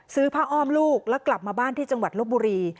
ซื้อผ้าอ้อมลูกแล้วกลับมาบ้านที่จังหวัดลบบุรี